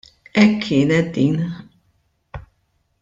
Hekk kienet din.